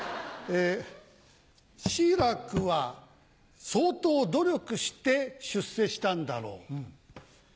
志らくは相当努力して出世したんだろう。